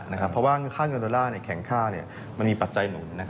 เพราะว่าค่าเงินดอลลาร์แข็งค่ามันมีปัจจัยหนุน